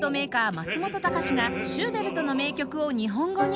松本隆がシューベルトの名曲を日本語に